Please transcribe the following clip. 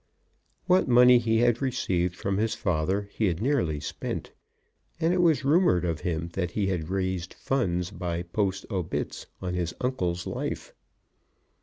What money he had received from his father he had nearly spent, and it was rumoured of him that he had raised funds by post obits on his uncle's life.